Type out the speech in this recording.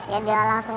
ya dia langsung